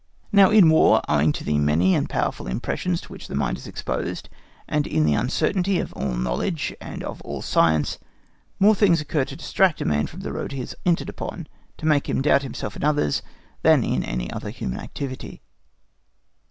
Now in War, owing to the many and powerful impressions to which the mind is exposed, and in the uncertainty of all knowledge and of all science, more things occur to distract a man from the road he has entered upon, to make him doubt himself and others, than in any other human activity.